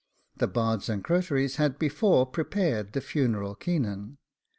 The bards and croteries had before prepared the funeral Caoinan.